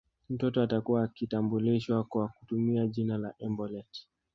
Mtoto atakuwa akitambulishwa kwa kutumia jina la embolet